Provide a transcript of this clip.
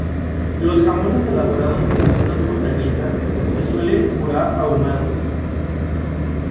Los jamones elaborados de las zonas montañesas se suelen curar ahumados.